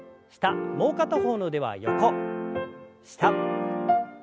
もう片方の腕は横下横。